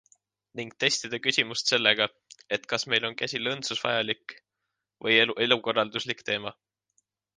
Ning testida küsimust sellega, et kas meil on käsil õndsusvajalik või elukorralduslik teema.